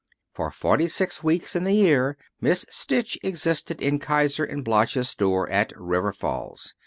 For forty six weeks in the year Miss Stitch existed in Kiser & Bloch's store at River Falls.